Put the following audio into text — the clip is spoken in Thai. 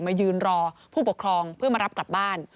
มายืนรอผู้ปกครองเพื่อมารับกลับบ้าน